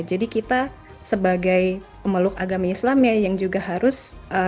jadi kita sebagai pemeluk agama islam ya yang juga harus